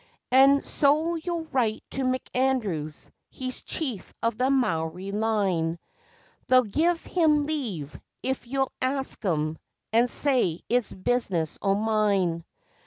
And so you'll write to McAndrews, he's Chief of the Maori Line; They'll give him leave, if you ask 'em and say it's business o' mine.